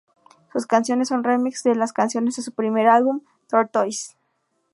Sus canciones son remixes de las canciones de su primer álbum, Tortoise.